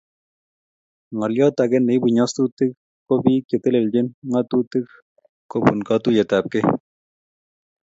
Ngolyotake neibu nyasutik kobik che telelchini ngatutik kobun katuiyeyabkei